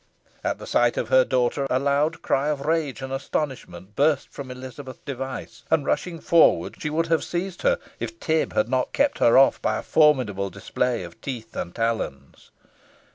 At sight of her daughter a loud cry of rage and astonishment burst from Elizabeth Device, and, rushing forward, she would have seized her, if Tib had not kept her off by a formidable display of teeth and talons.